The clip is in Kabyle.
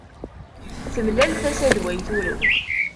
Temlal tasa d way turew